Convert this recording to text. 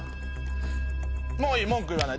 もういい文句言わない。